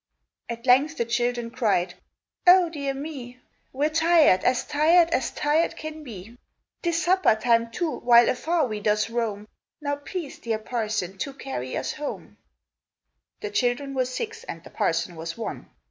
At length the children cried "Oh,—dear me! We're tired! as tired as tired can be! 'Tis supper time, too, while afar we thus roam; Now please, dear parson, to carry us home!" The children were six, and the parson was one.